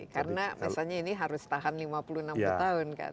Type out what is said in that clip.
karena misalnya ini harus tahan lima puluh enam puluh tahun kan